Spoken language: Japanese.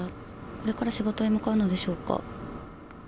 これから仕事へ向かうのでしょうか。